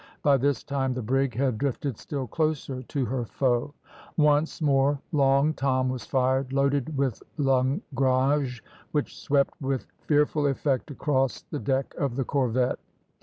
By this time the brig had drifted still closer to her foe. Once more Long Tom was fired, loaded with langrage, which swept with fearful effect across the deck of the corvette.